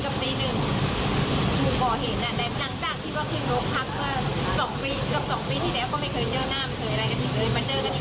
พี่พี่ว่างานทุบรถเนี่ยครับ